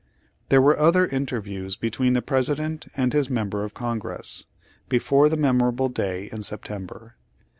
There v/ere other interviews between the Presi dent and his member of Congress, before the mem orable day in September.